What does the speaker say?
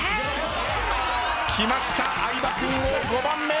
きました相葉君を５番目。